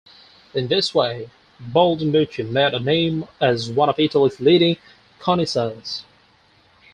In this way Baldinucci made a name as one of Italy's leading connoisseurs.